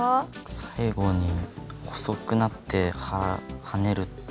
最後に細くなってはねるところが。